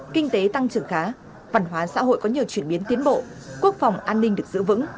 kinh tế tăng trưởng khá văn hóa xã hội có nhiều chuyển biến tiến bộ quốc phòng an ninh được giữ vững